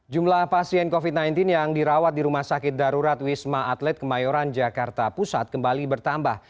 jumlah pasien covid sembilan belas yang dirawat di rumah sakit darurat wisma atlet kemayoran jakarta pusat kembali bertambah